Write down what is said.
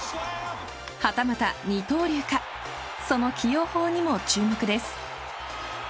はたまた二刀流かその起用法にも注目です。